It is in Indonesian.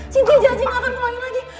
sintia janji gak akan kembali lagi